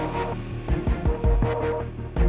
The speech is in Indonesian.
masa baru dipotongin kan